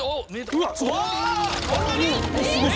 うわっすごい！